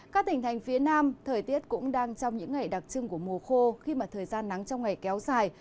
các tỉnh thành phía nam thời tiết cũng đang trong những ngày đặc trưng của mùa khô khi mà thời gian nắng trong ngày kéo dài